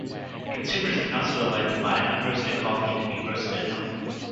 Consumers can also elect to buy unroasted coffee to be roasted at home.